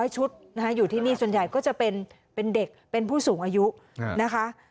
ชุดอยู่ที่นี่ส่วนใหญ่ก็จะเป็นเด็กเป็นผู้สูงอายุนะคะ